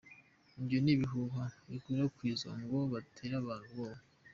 Ibyo ni ibihuha bikwirakwizwa ngo batere abantu ubwoba".